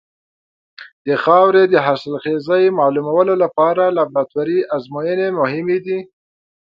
د خاورې د حاصلخېزۍ معلومولو لپاره لابراتواري ازموینې مهمې دي.